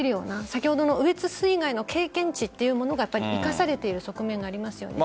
先ほどの羽越水害の経験値というものが生かされている側面がありますよね。